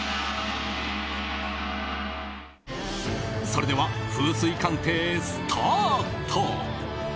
それでは風水鑑定スタート！